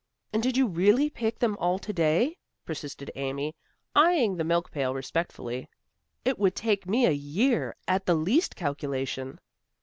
"And did you really pick them all to day?" persisted Amy, eyeing the milk pail respectfully. "It would take me a year, at the least calculation."